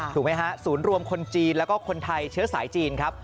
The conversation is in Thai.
ถูกไหมฮะศูนย์รวมคนจีนแล้วก็คนไทยเชื้อสายจีนครับ